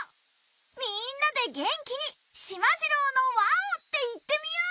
みんなで元気に『しまじろうのわお！』って言ってみよう！